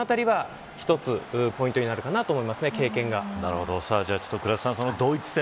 このあたりは一つポイントになるかなと思います。